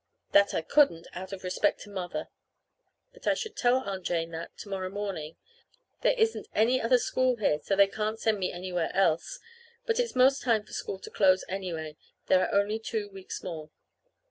That I couldn't, out of respect to Mother. That I should tell Aunt Jane that to morrow morning. There isn't any other school here, so they can't send me anywhere else. But it's 'most time for school to close, anyway. There are only two weeks more.